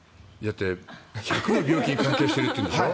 １００の病気に関係しているっていうんでしょ？